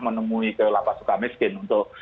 menemui ke lampung sukamiskin untuk